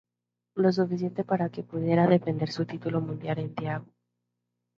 Lo suficiente para que pudiera defender su título mundial en Daegu.